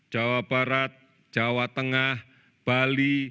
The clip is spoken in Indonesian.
jawa barat jawa tengah bali